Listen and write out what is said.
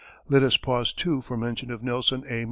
Let us pause, too, for mention of Nelson A.